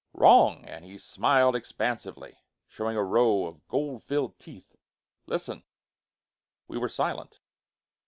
"Wrong!" and he smiled expansively, showing a row of gold filled teeth. "Listen." We were silent.